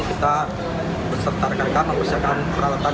kita berserta rekan rekan mempersiapkan peralatan